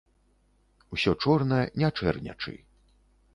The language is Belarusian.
Усё чорна, не чэрнячы.